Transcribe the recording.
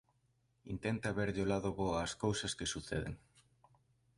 Intenta verlle o lado bo as cousas que suceden.